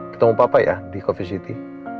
ketemu papa ya di coffee city